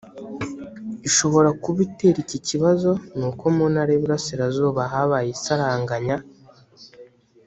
ishobora kuba itera iki kibazo ni uko mu ntara y iburasirazuba habaye isaranganya